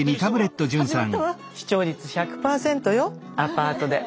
視聴率１００％よアパートで。